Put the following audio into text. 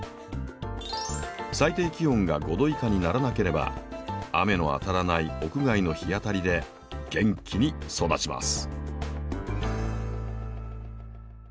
最低気温が５℃以下にならなければ雨の当たらない屋外の日当たりで元気に育ちます。